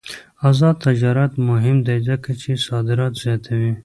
آزاد تجارت مهم دی ځکه چې صادرات زیاتوي.